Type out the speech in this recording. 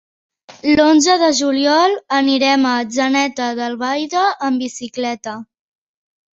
L'onze de juliol anirem a Atzeneta d'Albaida amb bicicleta.